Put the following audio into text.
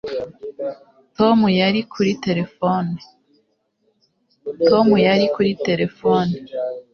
Tom yari kuri terefone